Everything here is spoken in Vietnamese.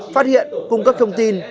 phát hiện cung cấp thông tin